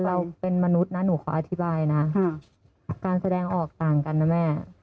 เราเป็นมนุษย์นะหนูขออธิบายนะการแสดงออกต่างกันนะแม่